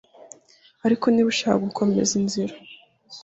Ariko niba ushaka gukomeza inzika